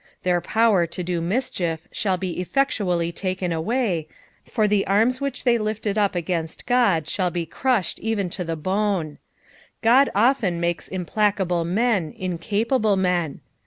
Their power to do mischief shall be effectuaHy taken away, for the amis which they lifted up against Ood shall be crushed eren to the bone. God often makes implacable, men incapable men.